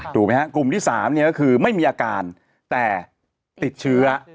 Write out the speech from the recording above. ถูกไหมฮะกลุ่มที่๓เนี่ยก็คือไม่มีอาการแต่ติดเชื้อ